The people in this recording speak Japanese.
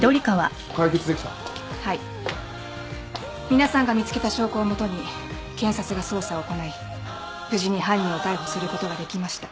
皆さんが見つけた証拠をもとに検察が捜査を行い無事に犯人を逮捕することができました。